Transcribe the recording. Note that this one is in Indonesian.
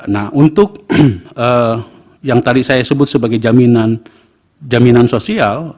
nah untuk yang tadi saya sebut sebagai jaminan sosial